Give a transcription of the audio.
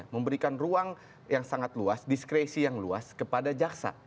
memberikan ruang yang sangat luas diskresi yang luas kepada jaksa